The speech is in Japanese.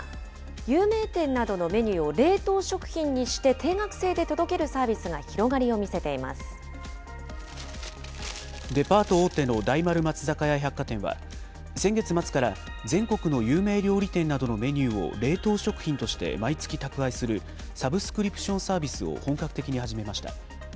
有名店などのメニューを冷凍食品にして定額制で届けるサービスがデパート大手の大丸松坂屋百貨店は、先月末から全国の有名料理店などのメニューを冷凍食品として毎月宅配するサブスクリプションサービスを本格的に始めました。